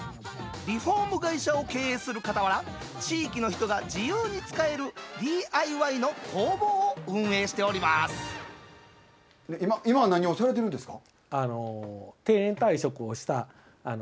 リフォーム会社を経営するかたわら地域の人が自由に使えるＤＩＹの工房を今は何をされてるんですか。